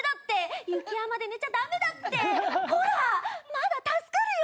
まだ助かるよ。